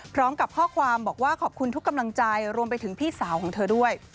พร้อมกับข้อความบอกว่าขอบคุณทุกกำลังใจรวมไปถึงพี่สาวของเธอด้วย